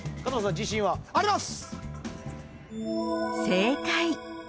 自信は？あります。